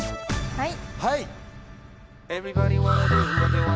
はい！